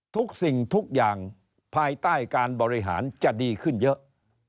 สิ่งทุกอย่างภายใต้การบริหารจะดีขึ้นเยอะ